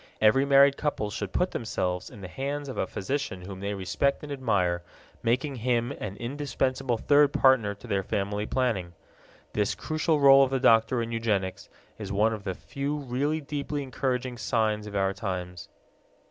Every married couple should put themselves in the hands of a physician whom they respect and admire, making him an indispensable third partner to their family planning. This crucial role of the doctor in eugenics is one of the few really deeply encouraging signs of our times.